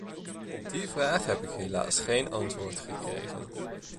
Op die vraag heb ik helaas geen antwoord gekregen.